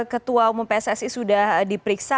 ketua umum pssi sudah diperiksa